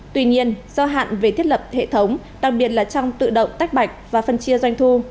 tuy nhiên do hạn về thiết lập hệ thống đặc biệt là trong tự động tách bạch và phân chia doanh thu